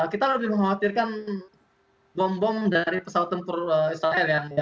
kita harus mengkhawatirkan bom bom dari pesawat tempur israel